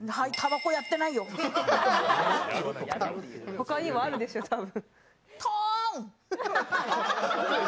他にもあるでしょ、多分。